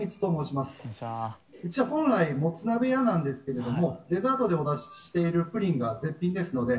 「うちは本来もつ鍋屋なんですけれどもデザートでお出ししているプリンが絶品ですので」